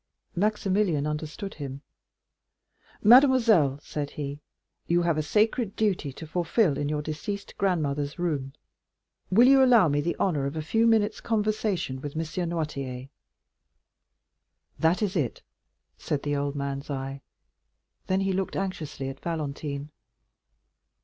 Maximilian understood him. "Mademoiselle," said he, "you have a sacred duty to fulfil in your deceased grandmother's room, will you allow me the honor of a few minutes' conversation with M. Noirtier?" "That is it," said the old man's eye. Then he looked anxiously at Valentine.